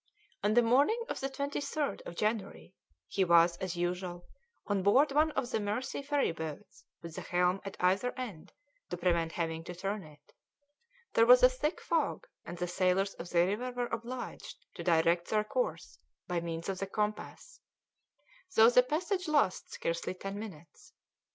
On the morning of the 23rd of January he was, as usual, on board one of the Mersey ferry boats with a helm at either end to prevent having to turn it; there was a thick fog, and the sailors of the river were obliged to direct their course by means of the compass, though the passage lasts scarcely ten minutes.